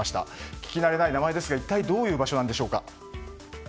聞き慣れない場所ですが一体どういう場所なんでしょうか。